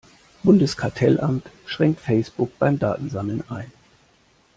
Bundeskartellamt schränkt Facebook beim Datensammeln ein.